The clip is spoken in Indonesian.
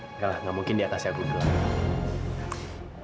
enggak lah gak mungkin di atas aku gelang